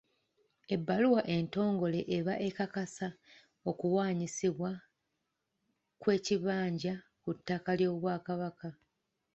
Ebbaluwa entongole eba ekakasa okuwaanyisibwa kw’ekibanja ku ttaka ly'Obwakabaka.